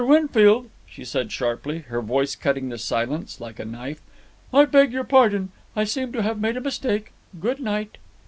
Winfield," she said sharply, her voice cutting the silence like a knife, "I beg your pardon. I seem to have made a mistake. Good night."